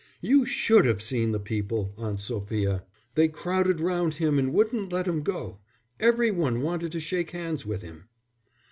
"You should have seen the people, Aunt Sophia. They crowded round him and wouldn't let him go. Every one wanted to shake hands with him."